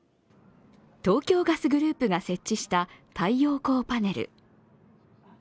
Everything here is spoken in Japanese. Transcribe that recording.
東京ガスグループが設置した太陽光パネル。